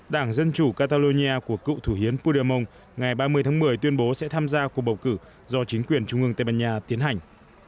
đảng dân chủ catalonia của cựu thủ hiến phu địa mon ngày ba mươi tháng một mươi tuyên bố sẽ tham gia cuộc bầu cử do chính quyền trung ương tây ban nha tiến hành